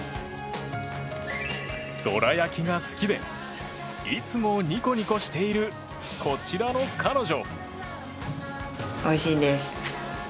どら焼きが好きでいつもニコニコしているこちらの彼女。